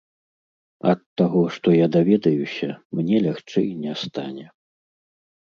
Ад таго, што я даведаюся, мне лягчэй не стане.